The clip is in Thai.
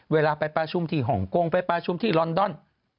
เวลาไปประชุมที่ฮ่องกงไปประชุมที่ลอนดอน